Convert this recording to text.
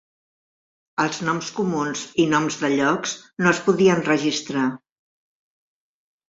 Els noms comuns i noms de llocs no es podien registrar.